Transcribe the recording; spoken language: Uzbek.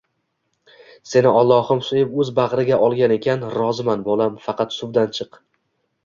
Seni Allohim suyib, o`z bag`riga olgan ekan, roziman, bolam, faqat suvdan chiq